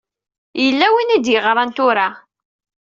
Yella win i d-yeɣṛan tura.